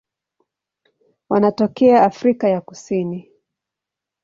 Wanatokea Afrika ya Kusini.